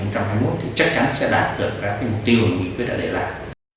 thì chắc chắn sẽ đạt được các mục tiêu nghị quyết đã đề lạc